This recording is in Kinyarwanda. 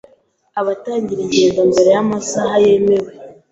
abatangira ingendo mbere y’amasaha yemewe.